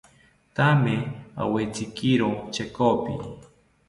Thame awetzikiro chekopi